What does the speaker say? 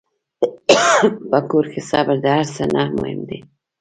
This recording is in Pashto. په کور کې صبر د هر څه نه مهم دی.